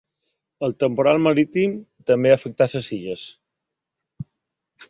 El temporal marítim també ha afectat les Illes.